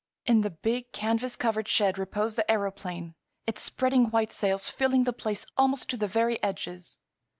In the big, canvas covered shed reposed the aëroplane, its spreading white sails filling the place almost to the very edges.